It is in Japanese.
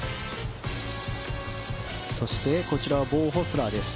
そしてこちらはボウ・ホスラーです。